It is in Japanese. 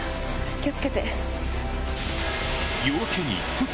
気を付けて。